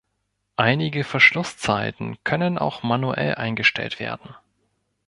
Einige Verschlusszeiten können auch manuell eingestellt werden.